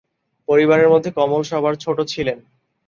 পরিবারের মধ্যে কমল সবার ছোট ছিলেন।